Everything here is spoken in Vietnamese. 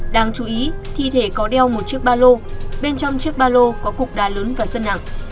đáng chú ý thi thể có đeo một chiếc ba lô bên trong chiếc ba lô có cục đà lớn và sân nặng